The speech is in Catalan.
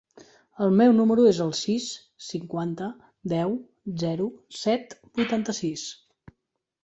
El meu número es el sis, cinquanta, deu, zero, set, vuitanta-sis.